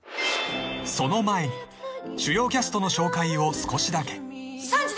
［その前に主要キャストの紹介を少しだけ］